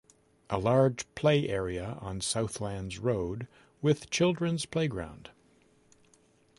A large play area on Southlands Road with children's playground.